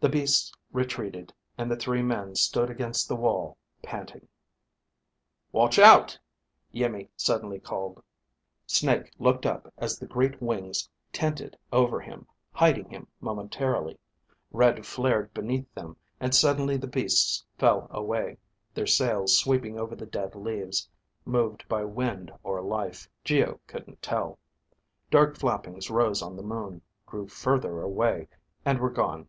The beasts retreated and the three men stood against the wall, panting. "Watch out!" Iimmi suddenly called. Snake looked up as the great wings tented over him, hiding him momentarily. Red flared beneath them, and suddenly the beasts fell away, their sails sweeping over the dead leaves, moved by wind or life, Geo couldn't tell. Dark flappings rose on the moon, grew further away, and were gone.